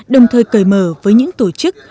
đồng thời cởi mở với những tổ chức